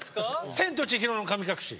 「千と千尋の神隠し」。